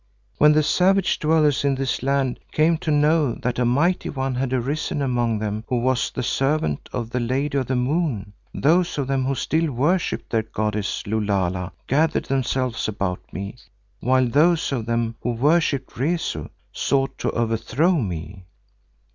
When the savage dwellers in this land came to know that a mighty one had arisen among them who was the servant of the Lady of the Moon, those of them who still worshipped their goddess Lulala, gathered themselves about me, while those of them who worshipped Rezu sought to overthrow me.